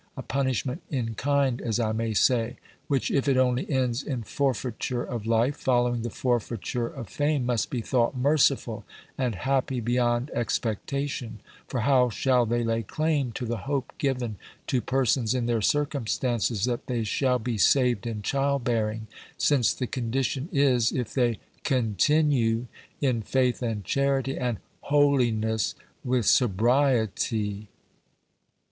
A punishment in kind, as I may say; which if it only ends in forfeiture of life, following the forfeiture of fame, must be thought merciful and happy beyond expectation: for how shall they lay claim to the hope given to persons in their circumstances that they shall be saved in child bearing, since the condition is, _if they _CONTINUE _in faith and charity, and _HOLINESS with SOBRIETY.